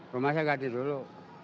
rumah saya ganti dulu